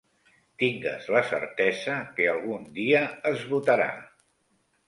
Tingues la certesa que algun dia es votarà.